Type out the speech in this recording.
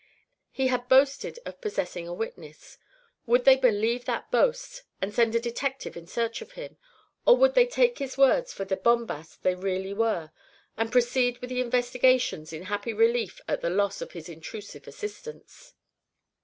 He had boasted of possessing a witness. Would they believe that boast and send a detective in search of him, or would they take his words for the bombast they really were and proceed with their investigations in happy relief at the loss of his intrusive assistance?